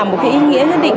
một cái ý nghĩa nhất định